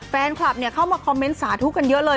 แฟนคลับเข้ามาคอมเมนต์สาธุกันเยอะเลย